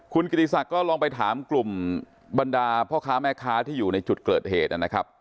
คุณกิติศักดิ์ก็ลองไปถามกลุ่มบรรดาพ่อค้าแม่ค้าที่อยู่ในจุดเกิดเหตุนะครับ